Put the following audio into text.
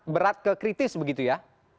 berat ke kritis begitu ya